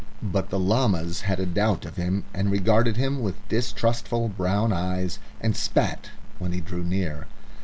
But the llamas had a doubt of him and regarded him with distrustful brown eyes, and spat when he drew near.